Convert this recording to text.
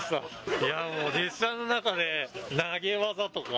いやもう、列車の中で投げ技とか。